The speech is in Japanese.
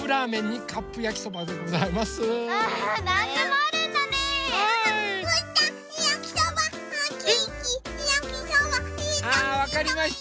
あわかりました。